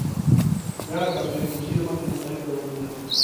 • ږغ د فریکونسۍ له مخې مختلف ډولونه لري.